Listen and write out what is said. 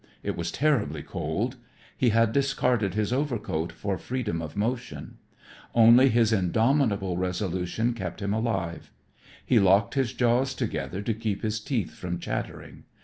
It was terribly cold. He had discarded his overcoat for freedom of motion. Only his indomitable resolution kept him alive. He locked his jaws together to keep his teeth from chattering.